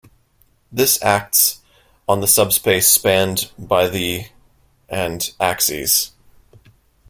This acts on the subspace spanned by the - and -axes.